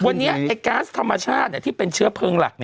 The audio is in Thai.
วันนี้ไอ้ก๊าซธรรมชาติที่เป็นเชื้อเพลิงหลัก